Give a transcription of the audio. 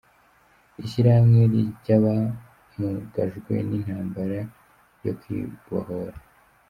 – Ishyirahamwe ry’abamugajwe n’intambara yo kwibohora